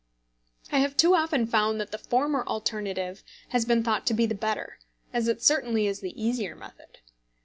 I have too often found that the former alternative has been thought to be the better, as it certainly is the easier method.